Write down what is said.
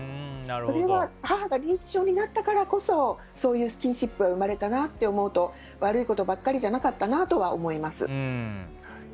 母が認知症になったからこそそういうスキンシップが生まれたなと思うと悪いことばかりじゃなかったなとは思います。